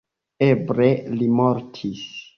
Eble li mortis.